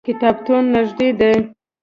کتابتون نږدې دی